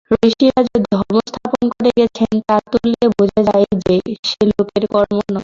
ঋষিরা যে ধর্ম স্থাপন করে গেছেন তা তলিয়ে বোঝা যে-সে লোকের কর্ম নয়।